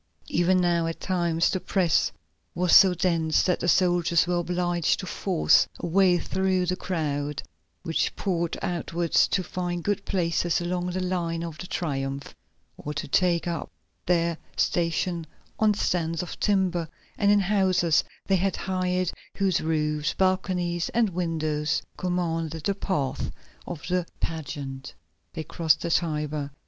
Even now at times the press was so dense that the soldiers were obliged to force a way through the crowd, which poured outwards to find good places along the line of the Triumph, or to take up their station on stands of timber, and in houses they had hired, whose roofs, balconies and windows commanded the path of the pageant. They crossed the Tiber.